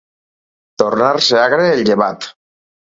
Tornar-se agre el llevat.